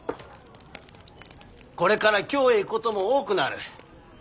これから京へ行くことも多くなる。